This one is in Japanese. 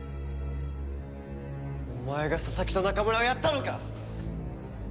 お前が佐々木と中村をやったのか！？